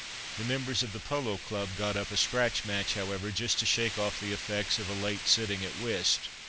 The members of the Polo Club got up a scratch match, however, just to "shake off the effects of a late sitting at whist."